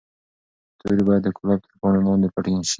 توري باید د ګلاب تر پاڼو لاندې پټې شي.